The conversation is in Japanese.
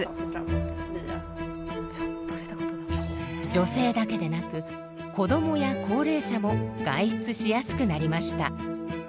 女性だけでなく子どもや高齢者も外出しやすくなりました。